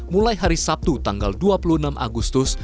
mulai hari sabtu tanggal dua puluh enam agustus